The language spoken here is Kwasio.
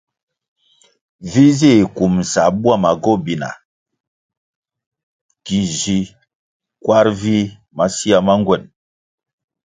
Vi zih kumbʼsa bwama gobina ki zi kwar vih masea ma ngwen.